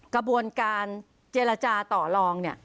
กระบวนการเจรจาต่อลองเนี่ย